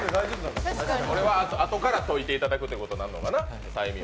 これはあとから解いていただくということになるのかな。